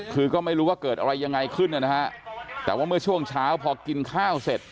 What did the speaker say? คือก็ไม่รู้ว่าเกิดอะไรยังไงขึ้นนะฮะแต่ว่าเมื่อช่วงเช้าพอกินข้าวเสร็จ